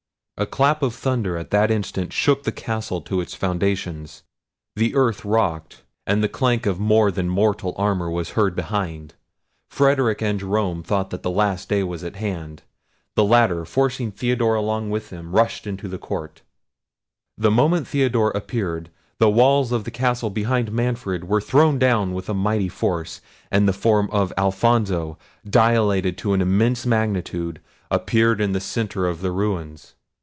A clap of thunder at that instant shook the castle to its foundations; the earth rocked, and the clank of more than mortal armour was heard behind. Frederic and Jerome thought the last day was at hand. The latter, forcing Theodore along with them, rushed into the court. The moment Theodore appeared, the walls of the castle behind Manfred were thrown down with a mighty force, and the form of Alfonso, dilated to an immense magnitude, appeared in the centre of the ruins.